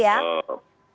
tidak akan mendorong itu ya